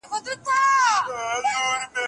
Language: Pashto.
دا رڼا باید نورو ته هم ورسوي.